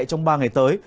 trong ba ngày tới